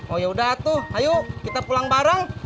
oh ya udah tuh ayo kita pulang bareng